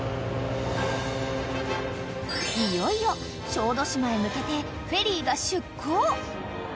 ［いよいよ小豆島へ向けてフェリーが出航］